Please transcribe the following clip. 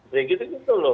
jadi gitu gitu loh